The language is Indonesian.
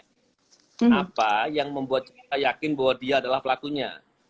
karena itu yang membuat saya yakin bahwa dia adalah pelakunya